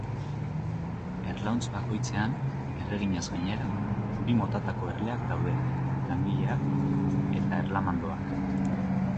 Erlauntz bakoitzean, erreginaz gainera, bi motatako erleak daude: langileak eta erlamandoak.